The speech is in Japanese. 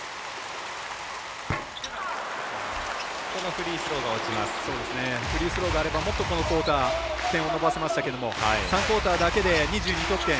フリースローがあればもっとこのクオーター点を伸ばせましたけど３クオーターだけで２２得点。